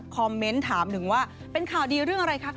เมนต์ถามถึงว่าเป็นข่าวดีเรื่องอะไรคะ